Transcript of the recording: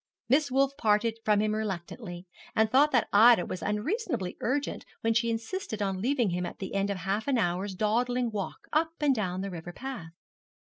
Miss Wolf parted from him reluctantly, and thought that Ida was unreasonably urgent when she insisted on leaving him at the end of half an hour's dawdling walk up and down the river path.